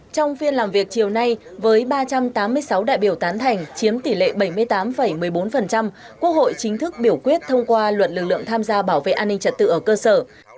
trong phiên làm việc chiều nay với ba trăm tám mươi sáu đại biểu tán thành chiếm tỷ lệ bảy mươi tám một mươi bốn quốc hội chính thức biểu quyết thông qua luật lực lượng tham gia bảo vệ an ninh trật tự ở cơ sở